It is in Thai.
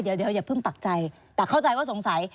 เดี๋ยวอย่าเพิ่งปักใจแต่เข้าใจว่าสงสัย